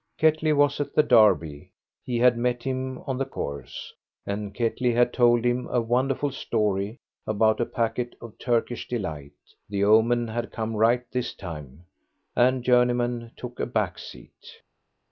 Ketley was at the Derby; he had met him on the course, and Ketley had told him a wonderful story about a packet of Turkish Delight. The omen had come right this time, and Journeyman took a back seat.